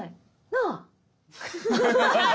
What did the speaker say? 「なあ？」。